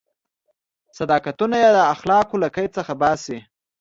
صداقتونه یې له اخلاقو له قید څخه باسي.